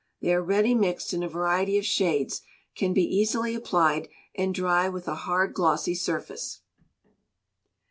They are ready mixed in a variety of shades, can be easily applied, and dry with a hard glossy surface.